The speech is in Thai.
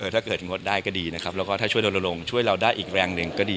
ถ้าเกิดงดได้ก็ดีนะครับแล้วก็ถ้าช่วยดนลงช่วยเราได้อีกแรงหนึ่งก็ดี